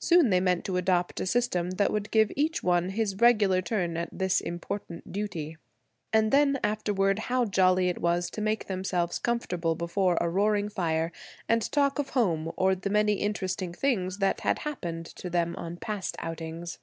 Soon they meant to adopt a system that would give each one his regular turn at this important duty. And then afterward, how jolly it was to make themselves comfortable before a roaring fire, and talk of home, or the many interesting things that had happened to them on past outings.